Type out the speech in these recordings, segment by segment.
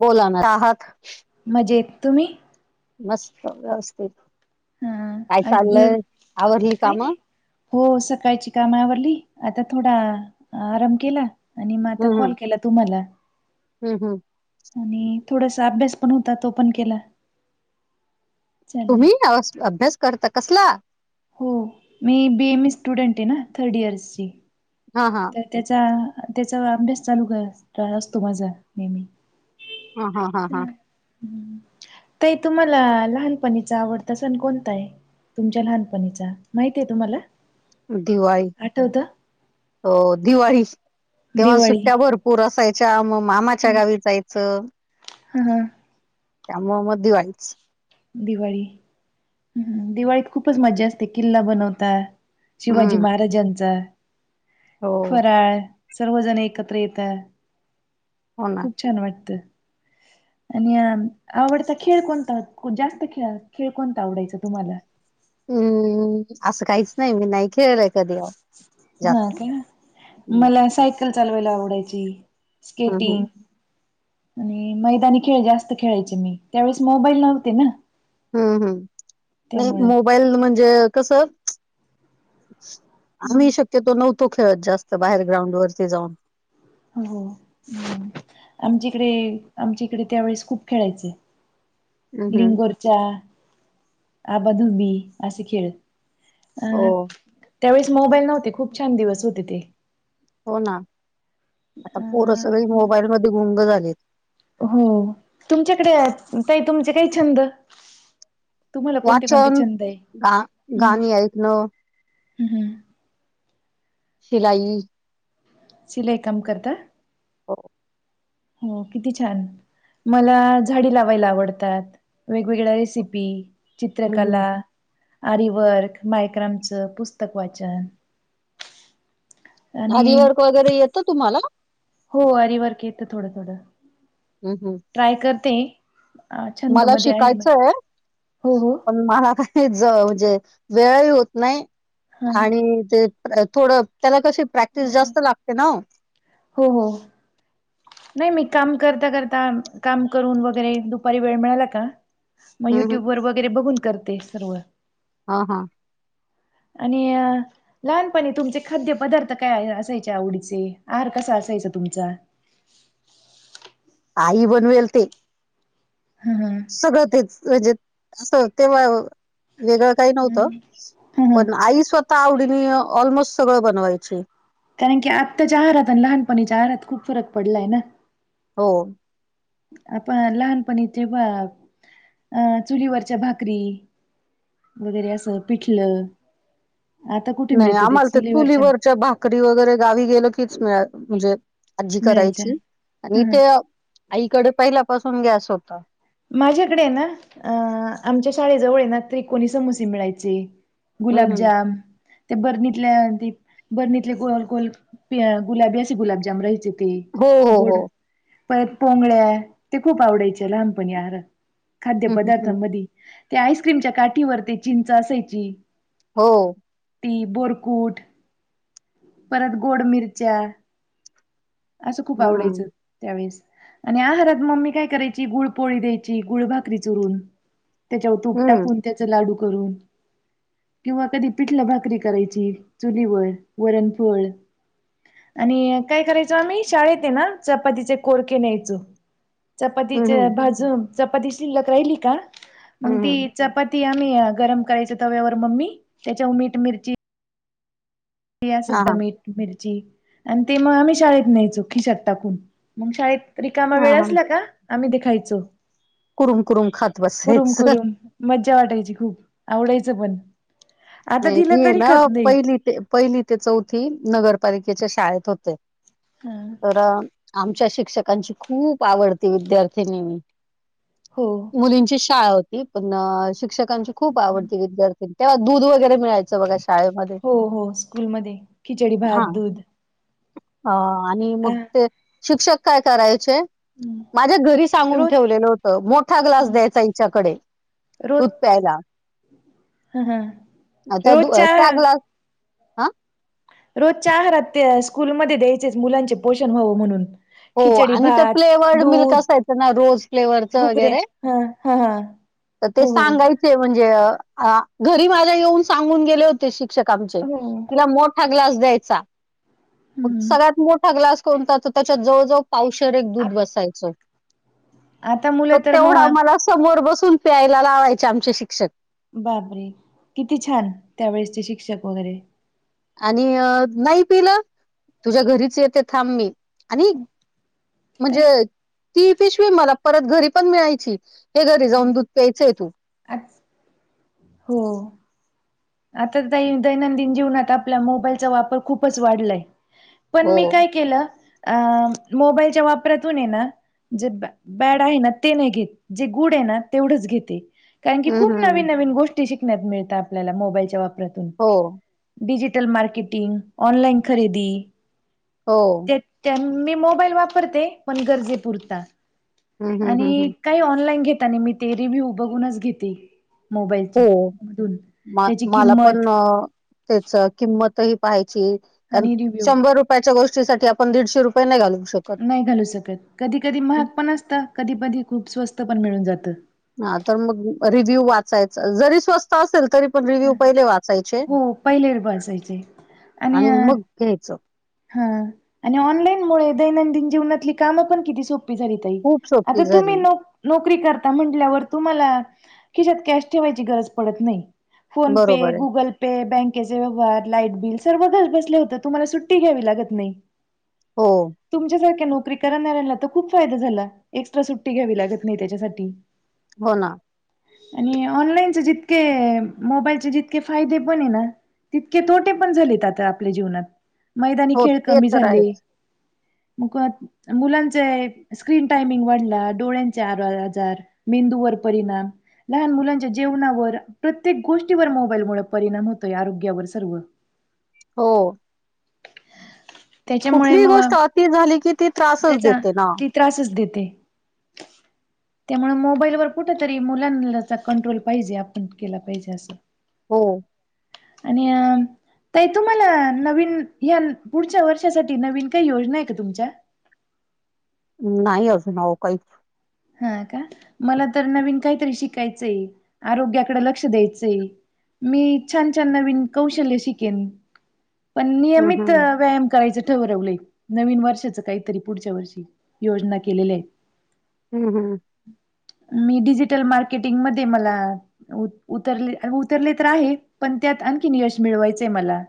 बोला ना आहात. मजेत. तुम्ही? मस्त व्यवस्थित. हा काय आज देऊ चाललंय आवरली काही काम नाही. हम्म हो सकाळची काम आवरली आता थोडा आराम केला. आणि मग आता हम्म कॉल केला तुम्हाला. हम्म हम्म आणि थोडासा अभ्यास पण होता तो पण केला. चाललंय तुम्ही अभ्यास करता कसला? हो मी बी एम इ स्टुडंट आहे ना थर्ड इयर्स ची. हा हा त्याचा त्याचा अभ्यास चालू असतो माझा नेहमी. हा हा हा हा ताई तुम्हाला लहानपणीचा आवडता सण कोणता आहे? तुमच्या लहानपणीचा माहीती आहे तुम्हाला? दिवाळी आठवतं हो दिवाळी तेव्हा दिवाळी सुट्ट्या भरपूर. पूर असायच्या मग मामाच्या गावी जायचं. हा हा त्यामुळे मग दिवाळी च दिवाळी हम्म दिवाळीत खूपच मज्जा असते किल्ला बनवतात. शिवाजी हम्म महाराजांचा हो फराळ. सर्वजण एकत्र येत हो ना खूप छान वाटत. आणि आवडता खेळ कोणता? जास्त खेळ खेळ कोणता आवडायचा तुम्हाला हूं असं काहीच नाही मी नाही खेळलाय कधी हा जास्त का मला सायकल चालवायला आवडायची हम्म स्केटिंग हम्म आणि मैदानी खेळ जास्त खेळायचे मी त्यावेेळेस मोबाईल नव्हते ना हूं हूं नाही त्यामुळे मोबाईल म्हणजे कस आम्ही शक्यतो नव्हतो खेळत जास्त बाहेर ग्राउंड वरती जाऊन. हो आमच्याकडे आमच्या इकडे त्यावेेळेस खूप खेळायचंय. हम्म हम्म लिंगोरचा, आबाधुबी असे खेळ. हो अं त्यावेळेस मोबाईल नव्हते, खूप छान दिवस होते ते. हो ना, आता पोर सगळी अ मोबाईल मध्ये गुंग झालेत. हो, तुमच्याकडे, ताई तुमचे काही छंद? तुम्हाला कोणते कोणते वाचन छंद आहे? गा हम्म गाणी ऐकणं हम्म हम्म. सिलाई. शिलाई काम करता? हो. हो, किती छान. मला झाडी लावायला आवडतात, वेगवेगळ्या रेसिपी, हम्म हम्म चित्रकला. आरीवर्क, मायक्रनचं, पुस्तक वाचन. आणि आरीवर्क वगैरे येतं तुम्हाला? हो, आरीवर्क येतं थोडं थोडं. हम हम. ट्राय करते, छंद मध्ये आहे मी शिकायचंय हो हो. मला काही म्हणजे वेळही होत नाही, हा आणि ते थोडं त्याला कशी प्रॅक्टिस जास्त लागते ना हो? हो हो. नाही मी काम करता करता, काम करून वगैरे दुपारी वेळ मिळाला का मग हम्म हम्म युट्यूब वर वगैरे बघून करते सर्व. हां हां. आणि अ लहानपणी तुमचे खाद्य पदार्थ काय असायचे आवडीचे? आहार कसा असायचा तुमचा? आई बनवेल ते. हम हम. सगळ तेचं, [unintelligible] काही नव्हत, ह ह पण आई स्वतः आवडीने ऑलमोस्ट सगळं बनवायची. कारण की, आत्ताच्या आहारात आणि लहानपणीच्या आहारात खूप फरक पडलाय ना. हो. आपण लहानपणी तेव्हा अ, चुलीवरच्या भाकरी वगैरे असं, पिठलं आता कुठे नाही, मिळतं ते आम्हाला त्या चुलीवरच्या भाकरी री वगैरे गावी गेलो की, म्हणजे आजी मिळायच्या करायची. आणि ह ते आईकडे पहिल्यापासून गॅस होता. माझ्याकडे ना, अ आमच्या शाळेजवळ ना, त्रिकोणी समोसे मिळायचे. हम्म हम्म. गुलाबजाम ते बर्णीतल्या त बर्णीतले गोल गोल गुलाबी असे गुलाबजाम राहायचे. ते हो हो गोड, हो. परत पोंगळ्या ते खूप आवडायचे लहानपणी. पण यार खाद्य हं हं हं. पदार्थांमध्ये, त्या आईस्क्रीमच्या काठीवर ते चिंच असायची. हो. ती बोरकुट, परत गोड मिरच्या. असं खूप हम्म. आवडायचं त्यावेेळेस, आणि आहारात मम्मी काय करायची गुळ पोळी द्यायची गुळभकरी चुरून, त्याच्यावर तूप हम्म. टाकून त्याच लाडू करून. किंवा कधी पिठला भाकरी करायची, चुलीवर वरणपोळ आणि काय करायचो आम्ही, शाळेत आहे ना, चपातीचे कोरके न्यायचो. हं चपातीच्या हं. भाजूनं चपाती शिल्लक राहिली का मंग हं ती हं. चपाती आम्ही गरम करायच तव्यावर मम्मी त्याच्यावर मीठ मिरची [unintelligible] हां सुद्धा हां. मीठ मिरची आणि ते म आम्ही शाळेत न्यायचो खिशात टाकून. मंग शाळेत रीकामा हां वेळ हां. असला का आम्ही ते खायचो. कुरुम कुरुम खात कुरुम बसायचं. कुरूम मज्जा वाटायची खूप आवडायचं पण आता नाय दिलं मी हे तरी ना खात नाही पहिली ते पहिली ते चौथी नगरपालिकेच्या शाळेत होते. हा तर आमच्या शिक्षकांची खूप आवडती विद्यार्थिनी मी. हो. मुलींचीचं शाळा होती पण शिक्षकांची खूप आवडती विद्यार्थी तेव्हा दूध व गैरे मिळायंचं बघा शाळेमध्ये. हो हो स्कूलमध्ये खिचडी भात हां. दूध अ आणि आ मग ते शिक्षक काय करायचे हम्म. माझ्या घरी सांगून रोज ठेवलेलं होतं मोठा ग्लास हम्म. द्यायचा ईच्याकडे दूध प्यायला. हं हा आता दू अ त्या ग्लास हां, रोजच्या आहारात ते स्कूलमध्ये द्यायचेच मुलांचे पोषण व्हावं म्हणून हो खिचडी आणि ते भात फ्लेवर्ड मिल्क दूध असायच ना रोज फ्लेवरच घुगऱ्या वगैरे हा हा हा त ते हो हो सांगाय हो ते म्हणजे घरी माझ्या येऊन सांगून गेले होते शिक्षक आमचे तिला मोठ ठा ग्लास द्यायचा मग हम्म सगळ्यात मोठा ग्लास कोणता त त्याच्यात जवळ जवळ पावशर एक आ दूध बसायच आता त मुलं तर तेवढा मग मल समोर बसून प्यायला लावायचे आमचे शिक्षक बाप रे! किती छान त्यावेेळेसचे शिक्षक वगैरे आणि नाही पिलं तुझ्या घरीच येत थांब मी आणि ताई म्हणजे ती पिशवी मला परत घरी पण मिळायची. हे घरी जाऊन दूध प्यायचंय तू अस हो. आता दै दैनंदिन जीवनात आपल्या मोबाईलचा वापर खूपच वाढलाय. पण हो मी काय केलं अ मोबाईलच्या वापरातून ये ना जे बॅ बॅड आहे ना ते नाही घेत जे गुड आहे ना तेवढंच घेते. कारण की हं, खूप हं. नवीन नवीन गोष्टी शिकण्यात मिळता आपल्याला मोबाईलच्या वापरातून. हो. डिजिटल मार्केटिंग ऑनलाईन खरेदी हो. त्यानं मी मोबाईल वापरते पण गरजेपुरता हं, हं, हं, आणि हं. काही ऑनलाईन घेता नी मी ते रिव्ह्यू बघूनच घेते मोबाईलचे मधून म त्याची मला किंमत पण अ त्याच किंमत ही पाहायची कारण आणि रिव्ह्यू शंभर रुप च्या गोष्टीसाठी आपण दीडशे रुपये नाही घालवू शकत. नाही घालू शकत कधी कधी महाग हम्म. पण असत कधी कधी खूप स्वस्त पण मिळून जात. हा तर मग रिव्ह्यू वाचायचा जरी स्वस् स्त असेल तरी पण रिव्ह्यू पहिले वाचायचे हो पहिले बसायचे आणि मग घयचो. हा आणि ऑनलाईन मु दैनंदिन जीवनातली कामं पण किती सोपी झाली. खूप आता सोपी तुम्ही झाली नोक नोकरी करता म्हटल्यावर तुम्हाला खिशत कॅश ठेवायची गरज पडत नाही. PhonePe. बरोबर आहे गुगल पे. बँकेचे व्यवहार. लाईट बिल सर्व घर बसले होतं तुम्हाला सुट सुट्टी घ्यावी लागत नाही. हो. तुमच्यासारख्या नोकरी करणाऱ्यांना तर खूप फायदा झाला. एक्स्ट्रा सुट्टी घ्यावी लागत नाही त्याच्यासाठी हो ना. आणि ऑनलाईनचे जितके मोबाईलचे जितके फायदे पण ये आहे ना. तितके तोटे पण झालेत आता आपल्या जीवनात मैदानी हो खेळ ते कमी तर झाले आहेच मुकत मुलांचे स्क्रीन टायमिंग वाढला डोळ्यांचे अर हजार मेंदूवर परिणाम लहान मुलांच्या जेवणावर प्रत्येक गोष्टीवर मोबाईलमुळे परिणाम होतोय आरोग्यावर सर्व हो. त्याच्यामुळे कुठलीही मग गोष्ट अति झाली की ती त्रासच देते ना. त्रासस देते. त्यामुळं मोबाईलवर कुठेतरी मुलांनाचा कंट्रोल पाहिजे आपण केला पाहिजे असं. हो. आणि अ तई तुम्हाला नवीन या पुढच्या वर्षासाठी नवीन काही योजना आहे का? तुमच्या? नाही अजून आऊ काहीच हां का मला तर नवीन काहीतरी शिकायचंय आरोग्याकडे लक्ष द्यायचंय. मी छान छान नवीन कौशल्य शिकेन. पण हं, नियमित हं, व्यायाम करायचं ठरवलंय. नवीन वर्षाच काहीतरी पुढच्या वर्षी योजना केलेल्या आहे. हम् हम्. मी डिजिटल मार्केटिंग मध्ये मला उतरले उतरले तर आहे पण त्यात आणखीन यश मिळवायचंय मला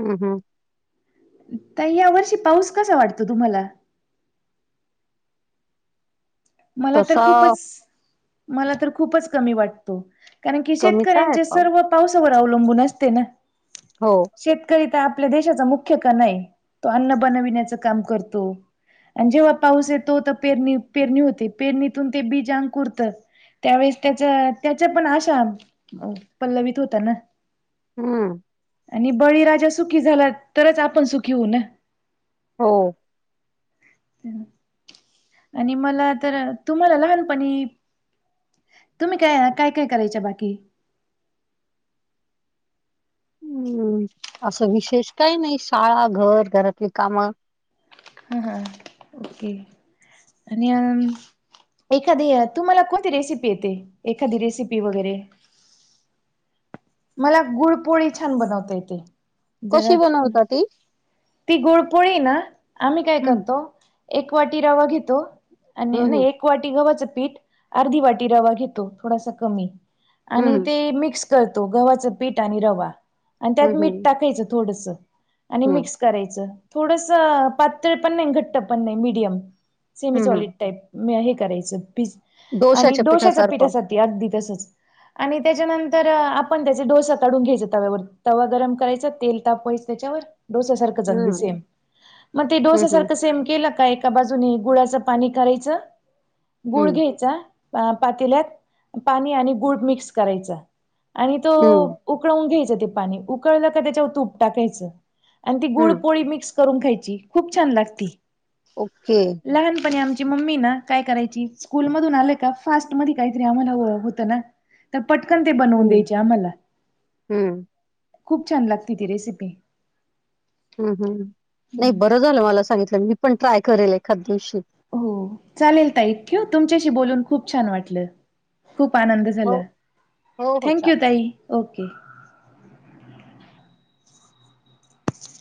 हम् हम्. तई या वर्षी पाऊस कसा वाटतो तुम्हाला? मला तर तसा खूपच मला तर खूपच कमी वाटतो. कारण की कमीच आहे शेतकऱ्यांचे पाऊस सर्व पावसावर अवलंबून असते ना. हो. शेतकरी तर आपल्या देशाचा मुख्य कणाय तो अन्न बनविण्याच काम करतो. आणि जेव्हा पाऊस येतो तर पेरणी पेरणी होते पेरणीतून ते बीज अंकुरतं. त्यावेळेस त्याचा त्याच्या पण आशा पल्लवीित होता ना. हम्म. आणि बळीराजा सुखी झालात तरच आपण सुखी होऊ ना. हो. आणि मला तर तुम्हाला लहानपणी तुम्ही काय? काय? काय करायच्या बाकी हम्म असं विशेष काही नाही शाळा घर घरातली कामं. हा हा ओके आणि अ एखादी तुम्हाला कोणती रेसिपी येते एखादी रेसिपी वगैरे मला गुळपोळी छान बनवता येते कशी जराणा बनवता ती? ती गु कपोळी ना आम्ही काय हं, करतो एक वाटी रवा घेतो आणि हं, नाही हं, एक वाटी गव्हाचं पीठ अर्धी वाटी रवा घेतो थोडासा कमी आणि हं, ते मिक्स तो गव्हाचं पीठ आणि रवा हं, हं, आणि मीठ हं, टाकायचं थोडंसं आणि हं, मिक्स करायच थोडस पातळ पण नाही घट्ट पण नाही मिडयम सेमी हं. चॉड हं. टाईप मी हे करायचं पीज आणि डोश्याच्या डोश्याचा पीठा. पिठासारखं. त त्याच्या. ण त्याचे डोसा काढून घ्यायचा तव्यावर तवा गरम करायचा तेल तापवायचं त्याच्यावर डोसा सारख. स हं, मग ो हं, हं, सम के का. त्याका बाजूने गुळाचं पाणी करायचं गुळ हं. घ्यायचा. अ पातील्यात पाणी आणि गुड मिक्स करायचा आणि तो हं, उकळवून घ्यायचं ते पाणी उकळलं का त्याच्यावर तुप टाकायचं आणि ती गुळ हं. पोळी मिक्स करून खायची खूप छान लागती ओके लहानपणी आमची मम्मी ना काय करायची स्कूल मधून आलं का फास्ट मध्ये काहीतरी आम्हाला होतं ना तर पटकन ते बनवून हं, द्यायची आम्हाला हं, खूप छान लागते ती रेसिपी हम् हम नाही हम्म. बरं झालं मला सांगितलं मी पण ट्राय करेल एखाद दिवशी हो चालेल ता एकत ठ्यू तुमच्याशी बोलून खूप छान वाटलं. खूप आनंद हो, झाला हो, हो. थँंक चालेल. यू ताई ओके.